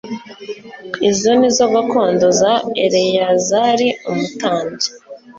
izo ni zo gakondo za eleyazari umutambyi